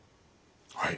はい。